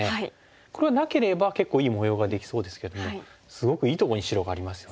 これがなければ結構いい模様ができそうですけどもすごくいいとこに白がありますよね。